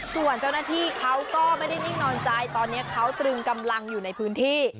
ส่วนเจ้าหน้าที่เขาก็ไม่ได้นิ่งนอนใจตอนนี้เขาตรึงกำลังอยู่ในพื้นที่